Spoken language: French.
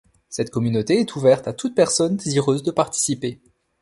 Cette communauté est ouverte à toute personne désireuse de participer.